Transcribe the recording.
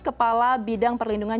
kepala bidang perlindungan